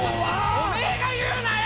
お前が言うなよ！